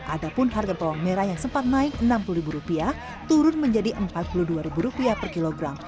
ada pun harga bawang merah yang sempat naik enam puluh rupiah turun menjadi empat puluh dua rupiah per kilogram